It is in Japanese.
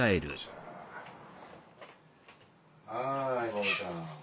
はいモモちゃん。